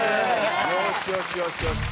「よしよしよしよし」